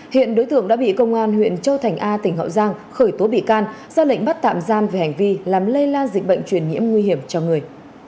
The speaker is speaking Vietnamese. hiện đối tượng đã bị công an huyện châu thành a tỉnh hậu giang khởi tố bị can ra lệnh bắt tạm giam về hành vi làm lây lan dịch bệnh truyền nhiễm nguy hiểm cho người